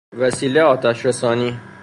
وسیله آتش رسانی